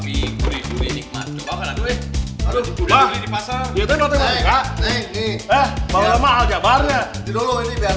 tidur loh ini biar keterdeknaan